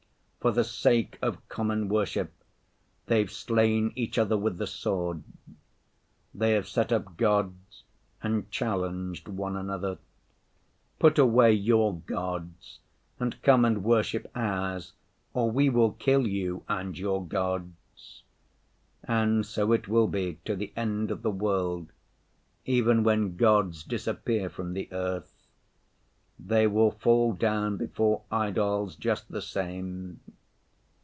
For the sake of common worship they've slain each other with the sword. They have set up gods and challenged one another, "Put away your gods and come and worship ours, or we will kill you and your gods!" And so it will be to the end of the world, even when gods disappear from the earth; they will fall down before idols just the same.